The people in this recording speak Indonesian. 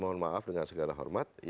mohon maaf dengan segala hormat